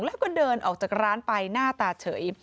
แล้วก็เดินออกจากร้านไปหน้าตาเฉย